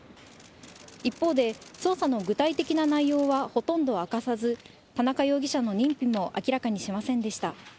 一方で捜査の具体的な内容はほとんど明かさず、田中容疑者の認否も明らかにしませんでした。